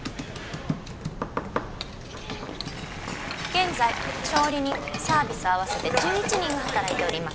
現在調理人サービス合わせて１１人が働いております